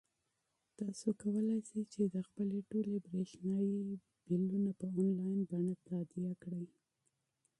تاسو کولای شئ چې خپلې ټولې برېښنايي بلونه په انلاین بڼه تادیه کړئ.